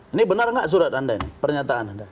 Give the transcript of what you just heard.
ini benar nggak surat anda ini pernyataan anda